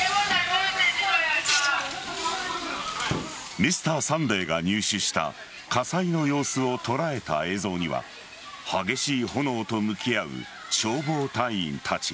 「Ｍｒ．サンデー」が入手した火災の様子を捉えた映像には激しい炎と向き合う消防隊員たち。